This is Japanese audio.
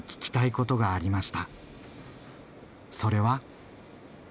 それは。